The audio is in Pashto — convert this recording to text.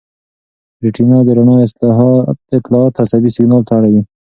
ریټینا د رڼا اطلاعات عصبي سېګنال ته اړوي.